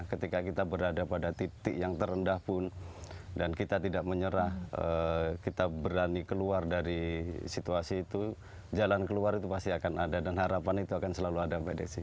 ketika kita berada pada titik yang terendah pun dan kita tidak menyerah kita berani keluar dari situasi itu jalan keluar itu pasti akan ada dan harapan itu akan selalu ada mbak desi